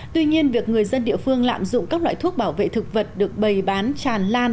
tuy nhiên việc người dân địa phương lạm dụng các loại thuốc bảo vệ thực vật được bày bán tràn lan